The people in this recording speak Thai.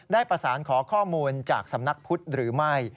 ได้ประสานขอข้อมูลจากสำนักพุทธหรือไม่